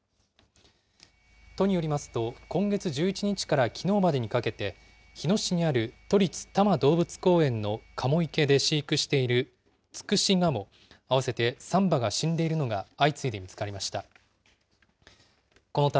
都によりますと、今月１１日からきのうまでにかけて、日野市にある都立多摩動物公園のカモ池で飼育しているツクシガモ合わせて３羽が死んでいるのが相次いで見つかりました。